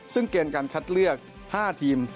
ซึ่งเกณฑ์การคัดเลือก๕ทีม